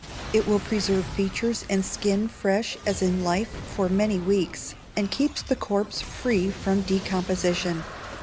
It will preserve features and skin fresh as in life for many weeks, and keep the corpse free from decomposition.